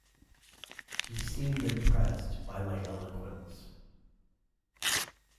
He seemed impressed by my eloquence.